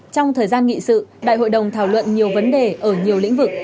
trong thời gian nghị sự đại hội đồng thảo luận nhiều vấn đề ở nhiều lĩnh vực